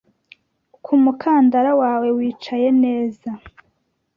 ku mukandara wawe wicaye neza.